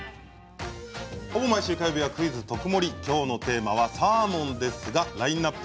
ほぼ毎週火曜日は「クイズとくもり」きょうのテーマはサーモンですがラインナップ